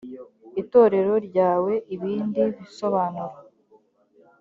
itorero ryawe ibindi bisobanuro